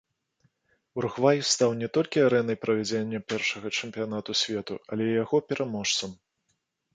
Уругвай стаў не толькі арэнай правядзення першага чэмпіянату свету, але і яго пераможцам.